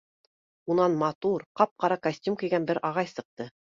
Унан матур, ҡап-ҡара костюм кейгән бер ағай сыҡты.